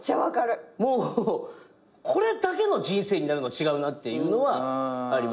もうこれだけの人生になるの違うなっていうのはあります。